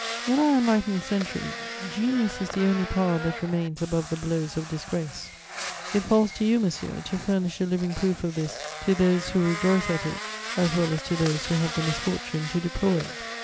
"In our enlightened century, genius is the only power that remains above the blows of disgrace; it falls to you, monsieur, to furnish a living proof of this to those who rejoice at it as well as to those who have the misfortune to deplore it.